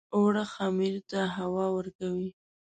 اوړه خمیر ته هوا ورکوي